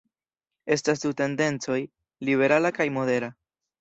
Estas du tendencoj: liberala kaj modera.